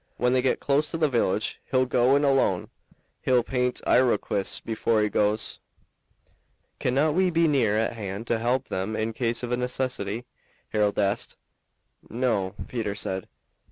"When they git close to the village he'll go in alone. He'll paint Iroquois before he goes." "Cannot we be near at hand to help them in case of a necessity," Harold asked. "No," Peter said.